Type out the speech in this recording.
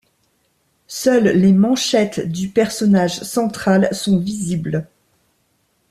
Seules les manchettes du personnage central sont visibles.